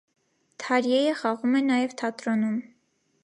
Թարյեյը խաղում է նաև թատրոնում։